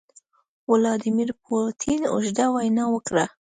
ولادیمیر پوتین اوږده وینا وکړه.